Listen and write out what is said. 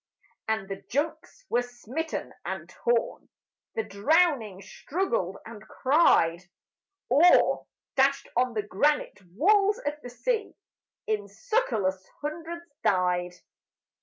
And the junks were smitten and torn, The drowning struggled and cried, Or, dashed on the granite walls of the sea, In succourless hundreds died.